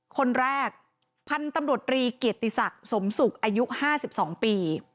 คนแรกพันธุ์ตำรวจรีเกียรติศักดิ์สมศุกร์อายุ๕๒ปี